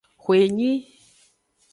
Xwenyi.